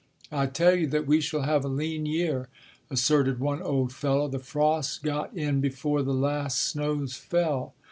"I tell you that we shall have a lean year," asserted one old fellow, "the frost got in before the last snows fell."